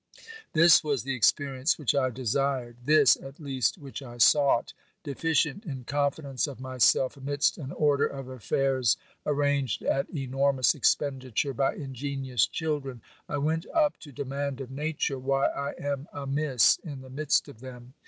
This was the experience which I desired, this, at least, which I sought. Deficient in confidence of myself, amidst an order of affairs arranged at enormous expenditure by ingenious children, I went up to demand of Nature why I am amiss in the midst of them.